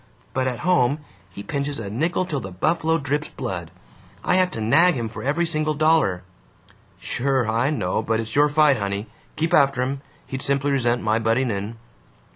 But at home he pinches a nickel till the buffalo drips blood. I have to nag him for every single dollar." "Sure, I know, but it's your fight, honey. Keep after him. He'd simply resent my butting in."